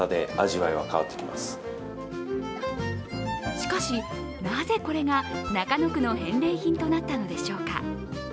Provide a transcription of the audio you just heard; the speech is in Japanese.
しかし、なぜこれが中野区の返礼品となったのでしょうか？